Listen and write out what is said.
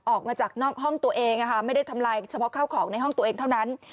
ออกมาจากนอกห้องตัวเองไม่ได้ทำลายเฉพาะข้าวของในห้องตัวเองเท่านั้น